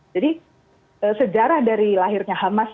jadi sejarah dari lahirnya hamas